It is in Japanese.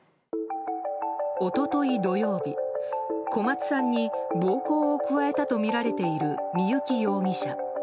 一昨日土曜日、小松さんに暴行を加えたとみられている、三幸容疑者。